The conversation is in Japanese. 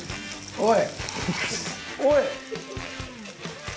おい！